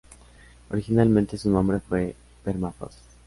Originalmente, su nombre fue Permafrost.